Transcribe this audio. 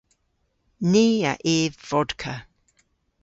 Ni a yv vodka.